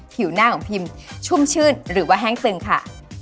ผิวหน้าของพิมชุ่มชื่นหรือว่าแห้งตึงค่ะ